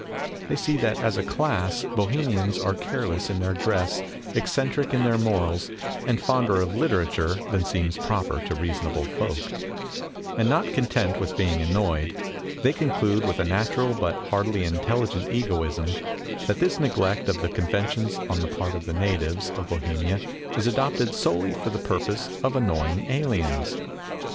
They see that as a class Bohemians are care less in their dress, eccentric in their morals, and fonder of literature than seems proper to reasonable folk ; and, not content with being annoyed, they conclude with a natural but hardly intelligent egoism that this neglect of the conventions on the part of the natives of Bohemia is adopted solely for the purpose of annoying aliens.